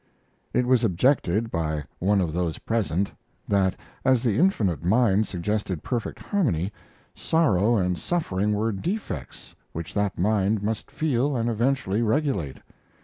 It was objected, by one of those present, that as the Infinite Mind suggested perfect harmony, sorrow and suffering were defects which that Mind must feel and eventually regulate.